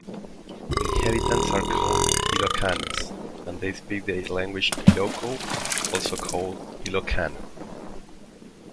Inhabitants are called "Ilocanos" and they speak the language Iloko, also called "Ilocano".